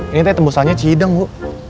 ini teh tembusannya cideng bu